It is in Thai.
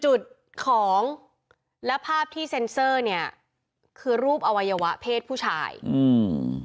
จุดของและภาพที่เซ็นเซอร์เนี้ยคือรูปอวัยวะเพศผู้ชายอืม